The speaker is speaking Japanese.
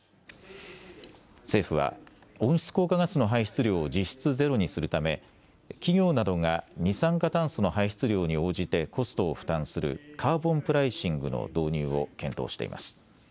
政府は温室効果ガスの排出量を実質ゼロにするため企業などが二酸化炭素の排出量に応じてコストを負担するカーボンプライシングの導入を検討しています。